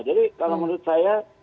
jadi kalau menurut saya